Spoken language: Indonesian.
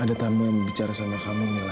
ada tamu yang bicara sama kamu mila